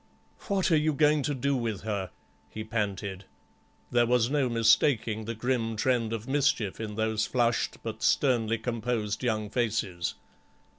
"What are you going to do with her?" he panted. There was no mistaking the grim trend of mischief in those flushed by sternly composed young faces.